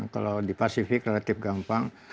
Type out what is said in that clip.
kalau di pasifik relatif gampang